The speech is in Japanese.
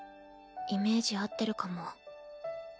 イメージ合ってるかも。